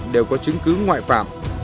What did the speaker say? đều có chứng cứ ngoại phạm